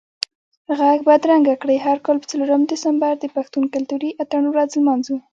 ږغ بدرګه کړئ، هر کال به څلورم دسمبر د پښتون کلتوري اتڼ ورځ لمانځو